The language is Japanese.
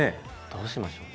どうしましょう。